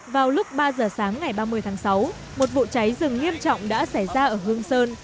vào lúc ba giờ sáng ngày ba mươi tháng sáu một vụ cháy rừng nghiêm trọng đã xảy ra ở hương sơn